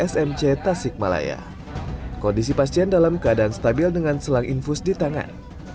smc tasikmalaya kondisi pasien dalam keadaan stabil dengan selang infus di tangan